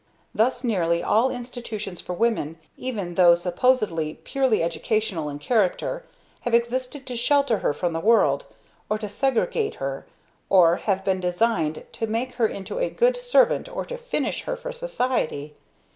Thus nearly all institutions for women, even those supposedly purely educational in character, have existed to shelter her from the world, or to segregate her, or have been designed to make her into a good servant or to "finish" her for society.